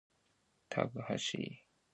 Hapaspoj hanoocaj quih iiqui hyaanim.